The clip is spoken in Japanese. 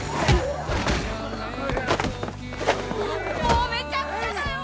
もうめちゃくちゃだよ！